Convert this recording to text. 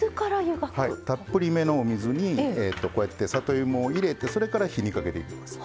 たっぷりめのお水にこうやって里芋を入れてそれから火にかけていきます。